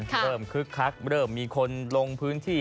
คึกคักเริ่มมีคนลงพื้นที่